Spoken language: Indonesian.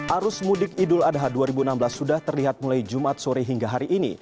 arus mudik idul adha dua ribu enam belas sudah terlihat mulai jumat sore hingga hari ini